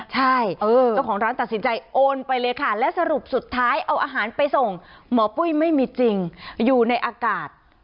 ใช่เจ้าของร้านตัดสินใจโอนไปเลยค่ะและสรุปสุดท้ายเอาอาหารไปส่งหมอปุ้ยไม่มีจริงอยู่ในอากาศ